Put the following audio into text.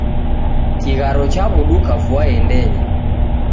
kigharo chaw'uduka vua yendenya